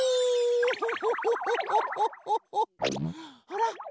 あら？